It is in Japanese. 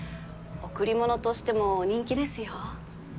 贈り物としても人気ですよ。